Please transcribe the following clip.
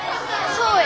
そうや！